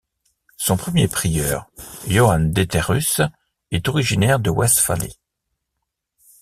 Son premier prieur, Johann Deterhus, est originaire de Westphalie.